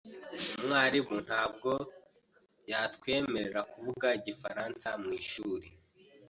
Umwarimu ntabwo yatwemerera kuvuga igifaransa mwishuri .